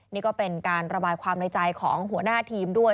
นี่ก็เป็นการระบายความในใจของหัวหน้าทีมด้วย